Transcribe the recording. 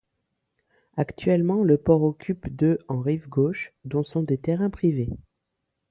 Actuellement, le port occupe de en rive gauche, dont sont des terrains privés.